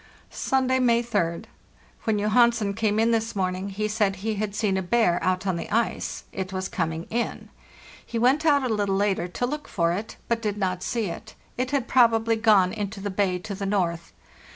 "Sunday, May 3d. When Johansen came in this morning he said he had seen a bear out on the ice; it was coming in. He went out a little later to look for it, but did not see it; it had probably gone into the bay to the north.